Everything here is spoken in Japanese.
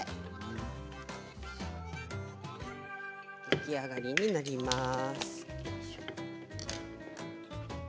出来上がりになります。